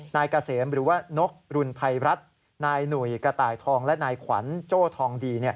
นายเกษมหรือว่านกรุณภัยรัฐนายหนุ่ยกระต่ายทองและนายขวัญโจ้ทองดี